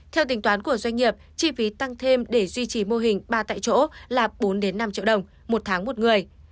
theo tính toán của doanh nghiệp chi phí tăng thêm để duy trì mô hình ba tại chỗ là bốn năm triệu đồng một tháng một người